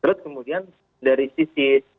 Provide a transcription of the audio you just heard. terus kemudian dari sisi